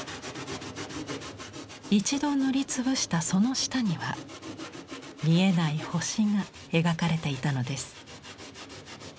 一度塗り潰したその下には見えない星が描かれていたのです。